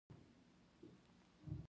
لاسونه د غم شریک وي